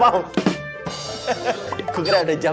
hehehe gua kira ada jam